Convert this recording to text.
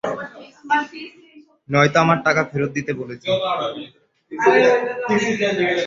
নয়তো আমার টাকা ফেরত দিতে বলেছি।